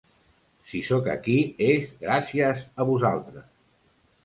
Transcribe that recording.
'Si sóc aquí és gràcies a vosaltres'.